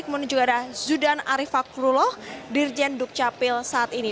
kemudian juga ada zudan ariefakrullah dirjen dukcapil saat ini